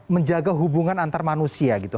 menjaga hubungan antar manusia gitu